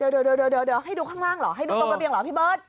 เดี๋ยวให้ดูข้างล่างเหรอทรัพย์เรียนเหรอพี่เบิร์ต